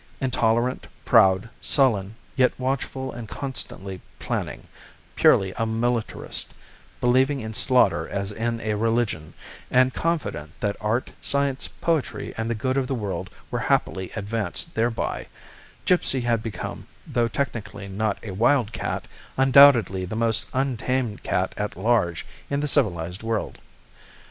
Intolerant, proud, sullen, yet watchful and constantly planning purely a militarist, believing in slaughter as in a religion, and confident that art, science, poetry, and the good of the world were happily advanced thereby Gipsy had become, though technically not a wildcat, undoubtedly the most untamed cat at large in the civilized world.